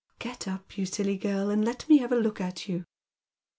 " Get up, you silly girl, and let me have a look at you."